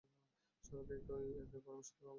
সবাইকে এই একই পরামর্শ দেব আমি!